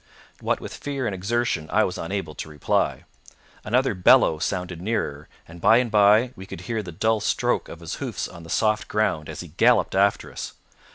What with fear and exertion I was unable to reply. Another bellow sounded nearer, and by and by we could hear the dull stroke of his hoofs on the soft ground as he galloped after us.